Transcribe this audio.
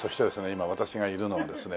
今私がいるのはですね